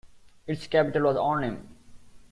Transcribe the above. Its capital was Arnhem.